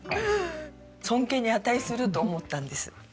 尊敬に値すると思ったんです。